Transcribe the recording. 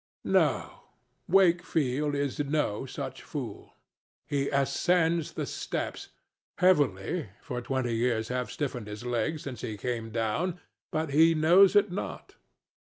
No; Wakefield is no such fool. He ascends the steps—heavily, for twenty years have stiffened his legs since he came down, but he knows it not.